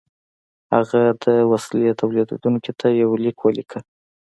هغه د وسیلې تولیدوونکي ته یو لیک ولیکه